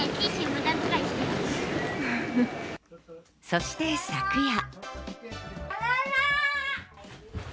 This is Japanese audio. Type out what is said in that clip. そして昨夜。